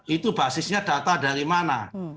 itu basisnya data dari mana